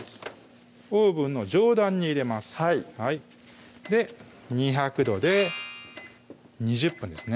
オーブンの上段に入れますはい２００℃で２０分ですね